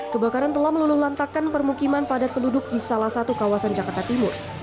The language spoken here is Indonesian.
kebakaran telah meluluh lantakan permukiman padat penduduk di salah satu kawasan jakarta timur